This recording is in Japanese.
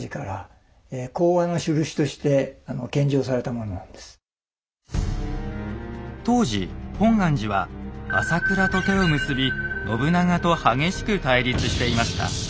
これはですね僅か当時本願寺は朝倉と手を結び信長と激しく対立していました。